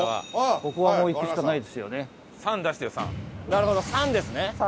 なるほど「３」ですね。